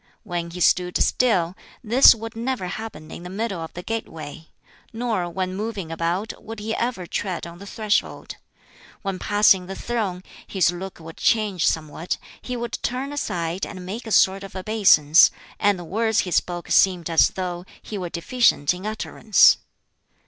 When he stood still, this would never happen in the middle of the gateway; nor when moving about would he ever tread on the threshold. When passing the throne, his look would change somewhat, he would turn aside and make a sort of obeisance, and the words he spoke seemed as though he were deficient in utterance.